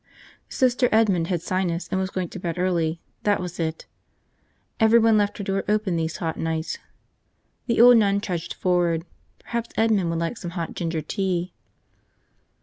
Sister Edmond had sinus and was going to bed early, that was it. Everyone left her door open these hot nights. The old nun trudged forward. Perhaps Edmond would like some hot ginger tea.